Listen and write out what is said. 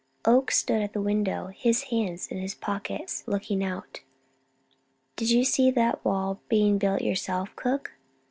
Oakes stood at the window, his hands in his pockets, looking out. "Did you see that wall being built yourself, Cook?"